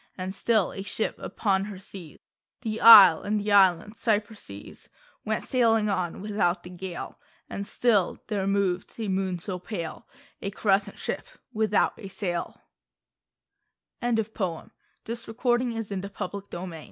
And still, a ship upon her seas. The isle and the island cypresses Went sailing on without the gale : And still there moved the moon so pale, A crescent ship without a sail ' I7S Oak and Olive \ Though I was born